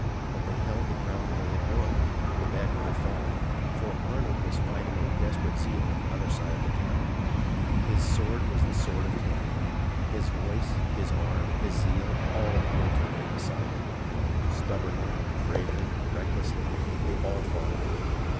Had they held the ground they had won Quebec would have fallen, for Arnold was fighting with desperate zeal on the other side of the town. His sword was as the sword of ten. His voice, his arm, his zeal, all appealed to the men beside him. Stubbornly, bravely, recklessly, they all fought on.